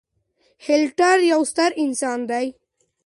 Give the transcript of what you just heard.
هېټلر يو ستر انسان دی.